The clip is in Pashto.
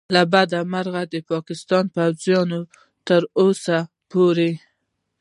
له بده مرغه د پاکستان پوځیانو تر اوسه پورې